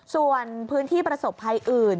ส่วนพื้นที่ประสบภัยอื่น